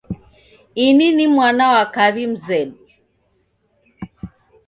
Ini ni mwana wa kaw'i mzedu.